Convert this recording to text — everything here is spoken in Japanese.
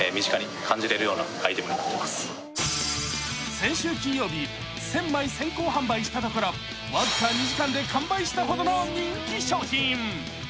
先週金曜日、１０００枚先行販売したところ僅か２時間で完売したほどの人気商品。